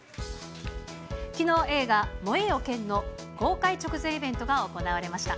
きのう、映画、燃えよ剣の公開直前イベントが行われました。